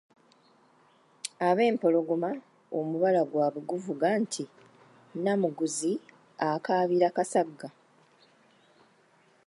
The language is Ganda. Abempologoma omubala gwabwe guvuga nti, “Namuguzi akaabira Kasagga."